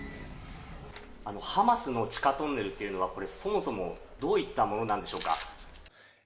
ハマスの地下トンネルというのは、これ、そもそもどういったものなんでしょうか。